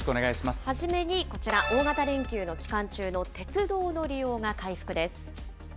はじめにこちら、大型連休の期間中の鉄道の利用が回復です。